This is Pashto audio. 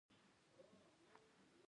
ماشومان زموږ راتلونکی تضمینوي.